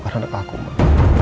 bukan anak aku mak